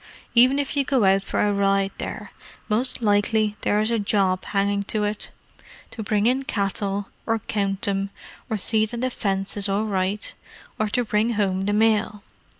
Even if you go out for a ride there, most likely there is a job hanging to it—to bring in cattle, or count them, or see that a fence is all right, or to bring home the mail.